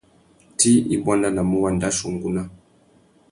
Tsi i buandanamú wandachia ungúná.